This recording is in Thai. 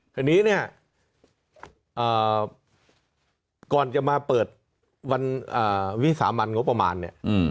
ทีนี้เนี่ยก่อนจะมาเปิดวันวิสามันงบประมาณเนี่ย